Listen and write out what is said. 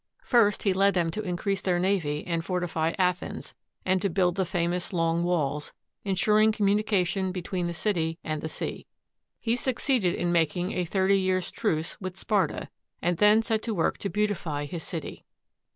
First, he led them to increase their navy and fortify Athens, and to build the famous Long Walls, insuring communication between the city and the sea. He succeeded in making a thirty years' truce with Sparta, and then set to work to beautify his city.